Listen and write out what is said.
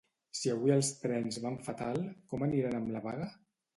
Si avui els trens van fatal, com aniran amb la vaga?